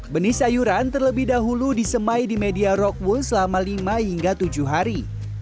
benih sayuran terlebih dahulu disemai di media rockbull selama lima hingga tujuh hari